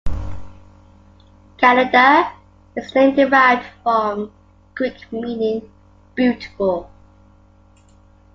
Kalida is a name derived from Greek meaning "beautiful".